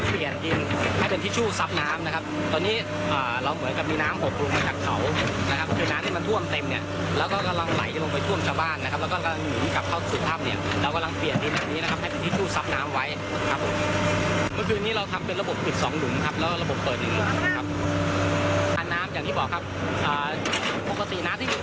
ปกตินะที่เรียนประหยาดื้อน้าอยู่บนดินนะครับ